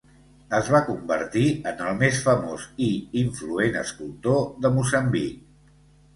Es va convertir en el més famós i influent escultor de Moçambic.